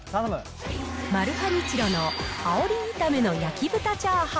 マルハニチロのあおり炒めの焼豚炒飯。